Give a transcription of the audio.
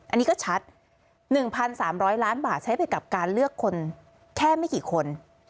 อันนี้ก็ชัด๑๓๐๐ล้านบาทใช้ไปกับการเลือกคนแค่ไม่กี่คน